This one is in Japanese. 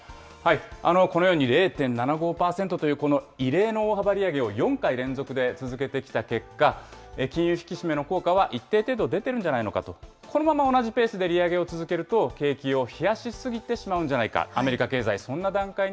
このように０．７５％という異例の大幅利上げを４回連続で続けてきた結果、金融引き締めの効果は一定程度出てるんじゃないのかと、このまま同じペースで利上げを続けると、景気を冷やし過ぎてしまうんじゃないか、アメリカ経済、そんな段階に。